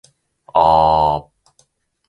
ぁー